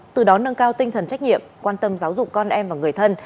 từ đó nâng cao tinh thần trách nhiệm quan tâm giáo dục con em và người thân